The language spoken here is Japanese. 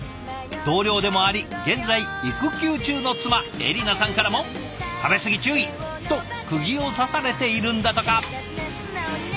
同僚でもあり現在育休中の妻恵里奈さんからも食べ過ぎ注意！とくぎを刺されているんだとか。